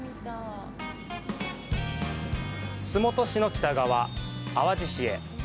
洲本市の北側、淡路市へ。